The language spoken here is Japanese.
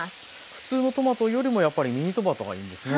普通のトマトよりもやっぱりミニトマトがいいんですね。